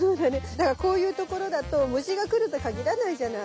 だからこういう所だと虫が来ると限らないじゃない。